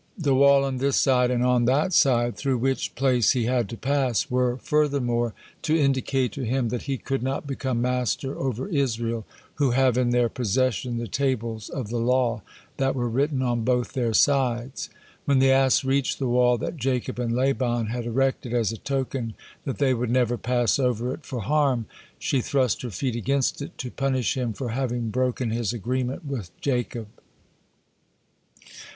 "The wall on this side, and on that side," through which place he had to pass, were furthermore to indicate to him that he could not become master over Israel, who have in their possession the tables of the law, "that were written on both their sides." When the ass reached the wall that Jacob and Laban had erected as a token that they "would never pass over it for harm," she thrust her feet against it, to punish him for having broken his agreement with Jacob.